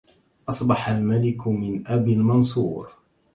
أصبح الملك من أبي المنصور